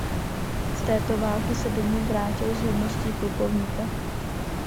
Z této války se domů vrátil s hodností plukovníka.